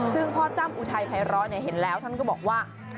ซึ่งพ่อจ้ำอุทัยภัยร้อยเห็นแล้วท่านก็บอกว่า